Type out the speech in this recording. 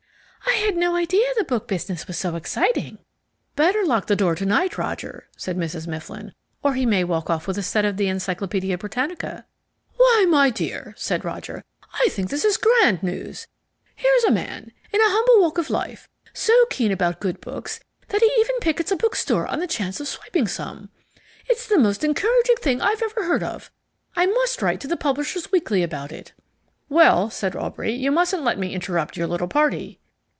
I had no idea the book business was so exciting." "Better lock the door to night, Roger," said Mrs. Mifflin, "or he may walk off with a set of the Encyclopaedia Britannica." "Why, my dear," said Roger, "I think this is grand news. Here's a man, in a humble walk of life, so keen about good books that he even pickets a bookstore on the chance of swiping some. It's the most encouraging thing I've ever heard of. I must write to the Publishers' Weekly about it." "Well," said Aubrey, "you mustn't let me interrupt your little party."